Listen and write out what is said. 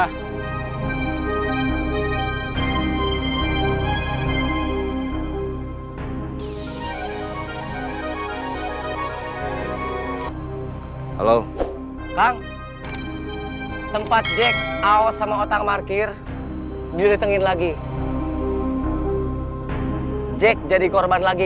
halo halo kang tempat jack awas sama otak markir diurutin lagi jack jadi korban lagi